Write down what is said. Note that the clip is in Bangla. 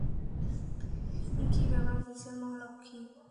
কী ব্যাপার, হুইসেল মহালক্ষী?